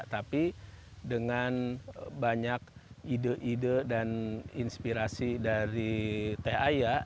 tapi dengan banyak ide ide dan inspirasi dari t a i a